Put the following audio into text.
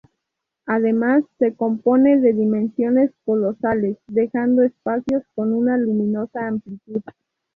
Además, se compone de dimensiones colosales, dejando espacios con una luminosa amplitud.